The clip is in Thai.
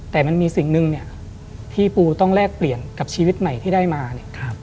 แต่มันมีสิ่งหนึ่งเนี่ยที่ปูต้องแลกเปลี่ยนกับชีวิตใหม่ที่ได้มาเนี่ย